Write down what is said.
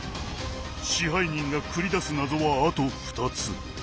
支配人が繰り出す謎はあと２つ。